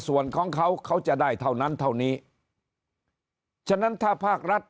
ส่วนของเขาเขาจะได้เท่านั้นเท่านี้ฉะนั้นถ้าภาครัฐ